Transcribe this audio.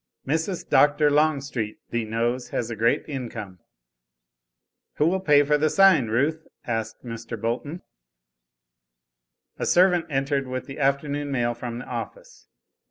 Mrs. Dr. Longstreet, thee knows, has a great income." "Who will pay for the sign, Ruth?" asked Mr. Bolton. A servant entered with the afternoon mail from the office.